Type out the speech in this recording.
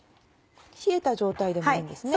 冷えた状態でもいいんですね。